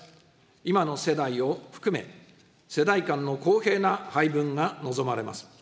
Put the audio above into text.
今の世代を含め、世代間の公平な配分が望まれます。